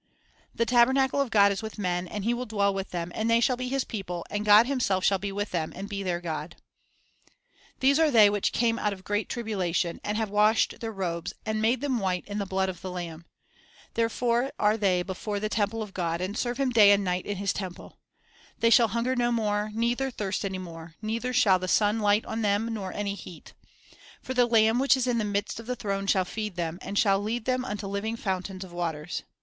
4 " The tabernacle of God is with men, and He will dwell with them, and they shall be His people, and God Himself shall be with them, and be their God." 5 'Rev. 2:7. 2 Rev. 22 : 1; 22:2, R. V.; 21 : 4. 3 Isa. 60:21. 4 Isa. 52 : 6. 6 Rev. 21 :3. 'Teachers The School of the Hereafter 303 "These are they which came out of great tribulation, and have washed their robes, and made them white in the blood of the Lamb. Therefore are they before the throne of God, and serve Him day and night in His temple. ... They shall hunger no more, neither thirst any more; neither shall the sun light on them, nor any heat. For the Lamb which is in the midst of the throne shall feed them, and shall lead them unto living fountains of waters."